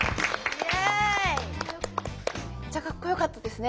めっちゃかっこよかったですね。